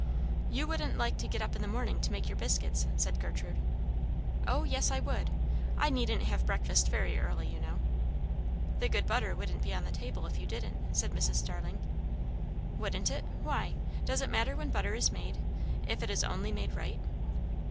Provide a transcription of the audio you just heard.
"You wouldn't like to get up in the morning to make your biscuits," said Gertrude. "O yes, I would! I needn't have breakfast very early, you know." "The good butter wouldn't be on the table if you didn't," said Mrs. Starling. "Wouldn't it? Why? Does it matter when butter is made, if it is only made right?"